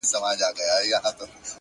هره موخه د حوصلې غوښتنه کوي؛